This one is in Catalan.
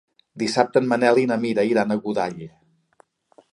Dissabte en Manel i na Mira iran a Godall.